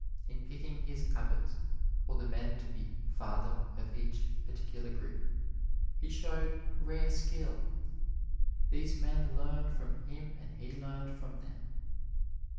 In picking his Abbots, or the men to be "father" of each particular group, he showed rare skill. These men learned from him and he learned from them.